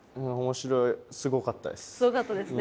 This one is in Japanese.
すごかったですね。